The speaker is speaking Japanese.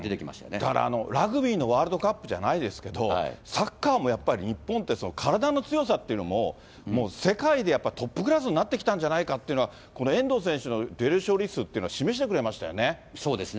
だから、ラグビーのワールドカップじゃないですけど、サッカーもやっぱり、日本って、体の強さっていうのも世界でトップクラスになってきたんじゃないかというのは、この遠藤選手のデュエル勝利数っていうのが、示してくれましたよね。